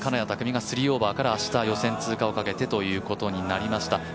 拓実が３オーバーから明日、予選通過をかけてということになりました。